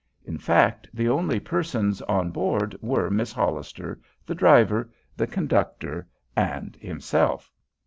In fact, the only persons on board were Miss Hollister, the driver, the conductor, and himself.